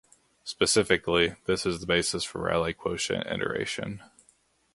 Specifically, this is the basis for Rayleigh quotient iteration.